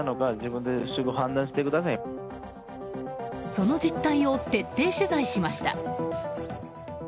その実態を徹底取材しました。